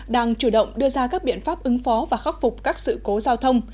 đang chủ động đưa ra các biện pháp ứng phó và khắc phục các sự cố giao thông